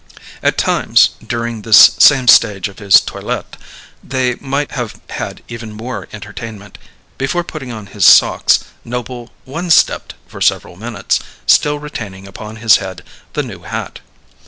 At times, during this same stage of his toilet, they might have had even more entertainment: before putting on his socks Noble "one stepped" for several minutes, still retaining upon his head the new hat.